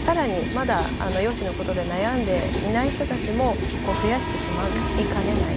まだ容姿のことで悩んでいない人たちも増やしてしまいかねない。